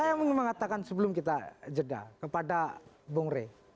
saya mau mengatakan sebelum kita jeda kepada bang ray